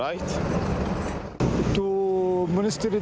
ไม่ใช่อาทิสสาไม่รับชีวิต